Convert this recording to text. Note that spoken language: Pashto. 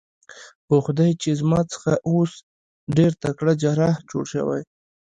په خدای چې زما څخه اوس ډېر تکړه جراح جوړ شوی.